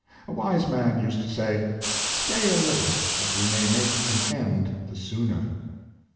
A wise man used to say, ''Stay a little, that we may make an end the sooner.''